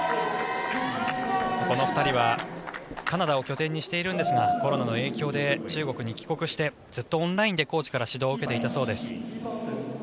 この２人はカナダを拠点にしているんですがコロナの影響で中国に帰国してずっとオンラインでコーチから指導を受けていたそうです。